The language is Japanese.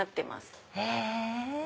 へぇ！